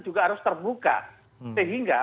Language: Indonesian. juga harus terbuka sehingga